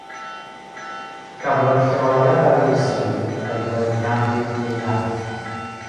Cafodd y lleoliad a ddewiswyd ei feirniadu'n eang.